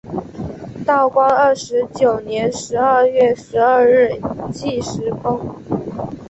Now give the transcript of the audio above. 道光二十九年十二月十二日巳时崩。